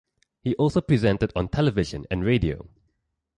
He has also presented on television and radio.